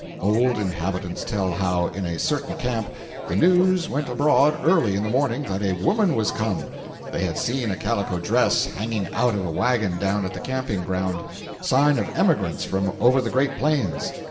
Old inhabitants tell how, in a certain camp, the news went abroad early in the morning that a woman was come! They had seen a calico dress hanging out of a wagon down at the camping ground—sign of emigrants from over the great plains.